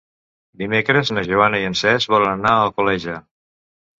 Dimecres na Joana i en Cesc volen anar a Alcoleja.